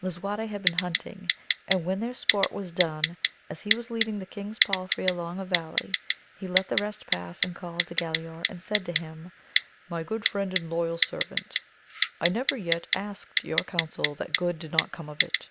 Lisuarte had been hunting, and when their sport was done, as he was leading the king's palfrey along a valley he let the rest pass and called to Galaor, and said to him, my good friend and loyal servant, I never yet asked yon^ VOL. m. 2 18 AMADIS OF GAUL. council that good did not come of it.